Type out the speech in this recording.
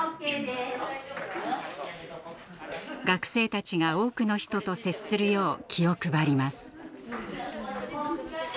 学生たちが多くの人と接するよう気を配ります。